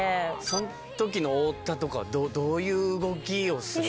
そん時の太田とかはどういう動きをするんですか？